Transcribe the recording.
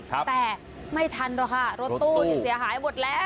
แต่ไม่ทันหรอกค่ะรถตู้นี่เสียหายหมดแล้ว